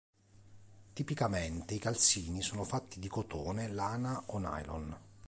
Tipicamente i calzini sono fatti di cotone, lana o nylon.